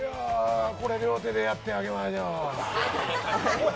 これ、両手でやってあげましょう。